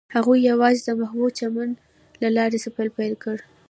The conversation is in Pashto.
هغوی یوځای د محبوب چمن له لارې سفر پیل کړ.